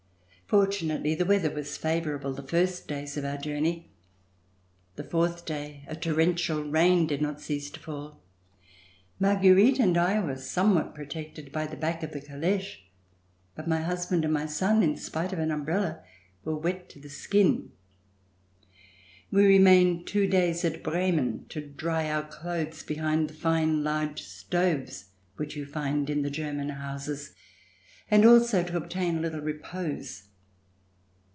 Fortu nately the weather was favorable the first days of our journey. The fourth day a torrential rain did not cease to fall. Marguerite and I were somewhat pro tected by the back of the caleche^ but my husband and my son, in spite of an umbrella, were wet to the skin. We remained two days at Bremen to dry our clothes behind the fine large stoves which you find in the German houses, and also to obtain a little repose.